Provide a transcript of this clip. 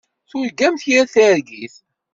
Turgamt yir targit.